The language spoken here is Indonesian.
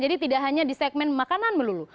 jadi tidak hanya di segmen makanan melulu